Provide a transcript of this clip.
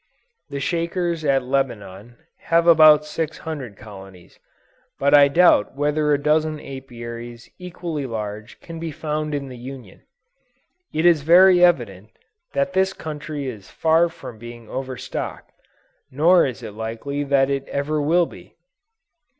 The Shakers at Lebanon, have about 600 colonies; but I doubt whether a dozen Apiaries equally large can be found in the Union. It is very evident, that this country is far from being overstocked; nor it is likely that it ever will be.